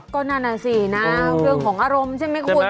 ก็นั่นน่ะสินะเออเรื่องของอารมณ์ใช่มั้ยคุณใช่มั้ย